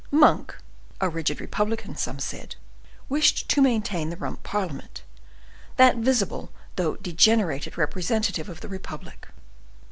Monk, a rigid republican, some said, wished to maintain the Rump Parliament, that visible though degenerated representative of the republic.